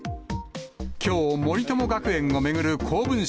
きょう、森友学園を巡る公文書